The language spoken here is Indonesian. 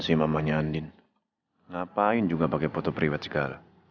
si mamahnya andin ngapain juga pakai foto pribadi segala